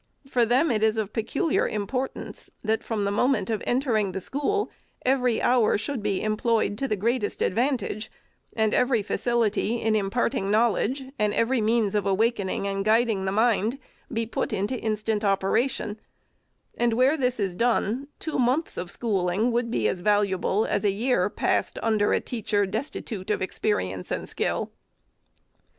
For them it is of peculiar importance, that, from the moment of enter ing the school, every hour should be employed to the greatest advantage, and every facility in imparting knowl edge, and every means of awakening and guiding the mind, be put into instant operation : and where this is done, two months of schooling would be as valuable as a year passed under a teacher destitue of experience and skill.